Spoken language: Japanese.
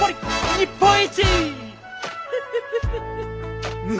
日本一！